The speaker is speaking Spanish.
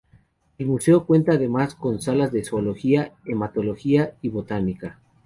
El museo cuenta además con salas de Zoología, Entomología, y Botánica.